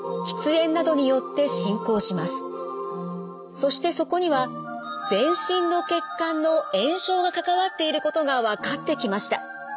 そしてそこには全身の血管の炎症が関わっていることが分かってきました。